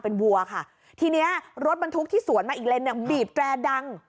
เป็นวัวค่ะทีเนี้ยรถบรรทุกที่สวนมาอีกเลนเนี่ยบีบแตรดัง